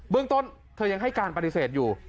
เรื่องต้นเธอยังให้การปฏิเสธอยู่